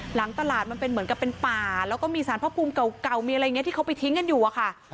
หลังตลาดมันเป็นเหมือนกับเป็นป่าแล้วก็มีสารพระภูมิเก่ามีอะไรอย่างนี้ที่เขาไปทิ้งกันอยู่อะค่ะ